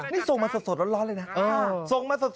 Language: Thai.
นี่ส่งมาสดร้อนเลยนะ